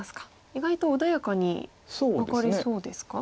意外と穏やかにワカれそうですか？